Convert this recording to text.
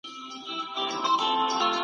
د ځای په لحاظ ساحوي څېړنه ډېره مهمه ده.